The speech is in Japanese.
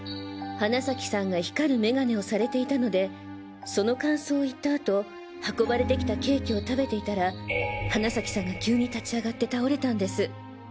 花崎さんが光るメガネをされていたのでその感想を言った後運ばれてきたケーキを食べていたら花崎さんが急に立ち上がって倒れたんです。